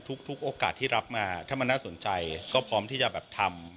ทุกโอกาสที่รับมาถ้ามันน่าสนใจก็พร้อมที่จะแบบทำ